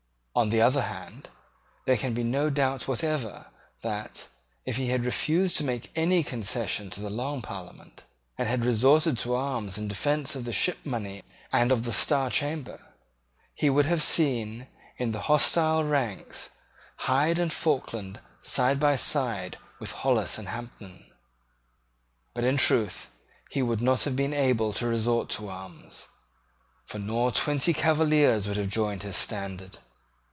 On the other hand, there can be no doubt whatever that, if he had refused to make any concession to the Long Parliament, and had resorted to arms in defence of the ship money and of the Star Chamber, he would have seen, in the hostile ranks, Hyde and Falkland side by side with Hollis and Hampden. But, in truth, he would not have been able to resort to arms; for nor twenty Cavaliers would have joined his standard.